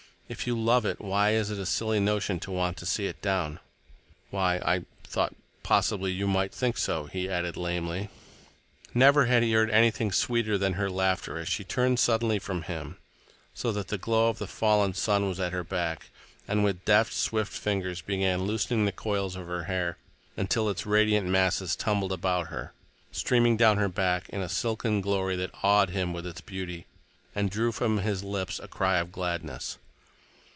"If you love it, why is it a silly notion to want to see it down?" "Why, I though possibly you might think it so," he added lamely. Never had he heard anything sweeter than her laughter as she turned suddenly from him, so that the glow of the fallen sun was at her back, and with deft, swift fingers began loosening the coils of her hair until its radiant masses tumbled about her, streaming down her back in a silken glory that awed him with its beauty and drew from his lips a cry of gladness.